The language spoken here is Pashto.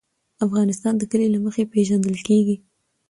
افغانستان د کلي له مخې پېژندل کېږي.